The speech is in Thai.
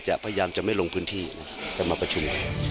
พยายามจะไม่ลงพื้นที่กลับมาประชุม